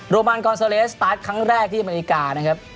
มันกอนโซเลสสตาร์ทครั้งแรกที่อเมริกานะครับ